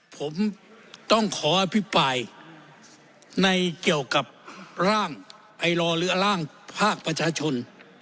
ผมต้องขออภิปรายในเกี่ยวกับร่างไอลอร์หรือร่างภาคประชาชน